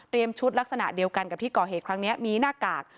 ชุดลักษณะเดียวกันกับที่ก่อเหตุครั้งนี้มีหน้ากาก